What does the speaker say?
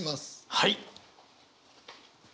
はい。